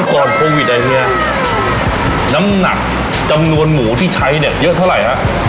ก่อนโควิดอ่ะเฮียน้ำหนักจำนวนหมูที่ใช้เนี่ยเยอะเท่าไหร่ฮะ